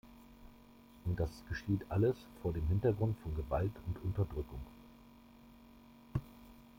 Und das geschieht alles vor dem Hintergrund von Gewalt und Unterdrückung.